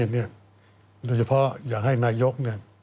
นี่โดยเฉพาะอยากให้นายก